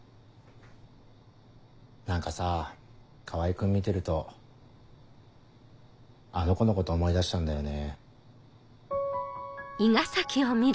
何かさ川合君見てるとあの子のこと思い出しちゃうんだよね。